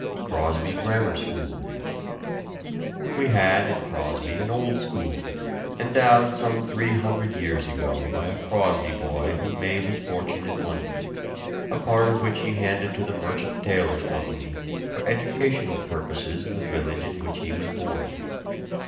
CROSBY GRAMMAR SCHOOL. We had in Crosby an old school, endowed some three hundred years ago by a Crosby boy who made his fortune in London, a part of which he handed to the Merchant Taylors' Company for educational purposes in the village in which he was born.